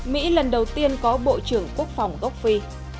mỹ lần đầu tiên có bộ trưởng quốc phòng gốc phi